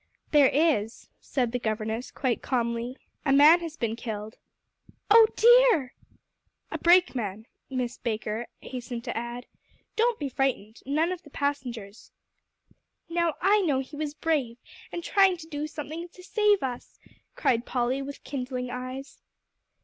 "There is," said the governess, quite calmly; "a man has been killed." "Oh dear!" "A brakeman," Miss Baker hastened to add. "Don't be frightened. None of the passengers." "Now I know he was brave, and trying to do something to save us," cried Polly, with kindling eyes.